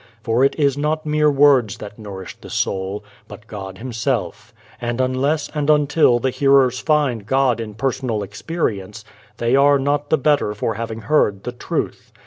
For it is not mere words that nourish the soul, but God Himself, and unless and until the hearers find God in personal experience they are not the better for having heard the truth.